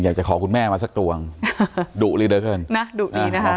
อยากจะขอคุณแม่มาสักตรวงฮ่าฮ่าดุหรือเยอะเกินนะดุดีนะครับ